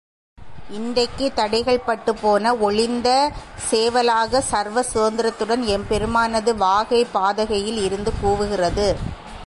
இன்றைக்குத் தடைகள் பட்டுப் போன, ஒழிந்த, சேவலாகச் சர்வ சுதந்தரத்துடன் எம்பெருமானது வாகைப் பதாகையில் இருந்து கூவுகிறது.